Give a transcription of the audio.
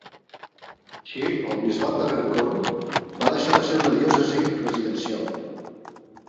Així, el bisbat d'Abercorn va deixar de ser una diòcesi residencial.